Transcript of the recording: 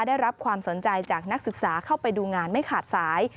ได้รับความสนใจจากนักศึกษาเข้าไปดูงานไม่ขาดสาย